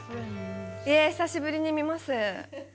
久しぶりに見ます。